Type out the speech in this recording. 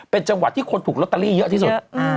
เป็นจังหวัดที่คนถูกลอตเตอรี่เยอะที่สุด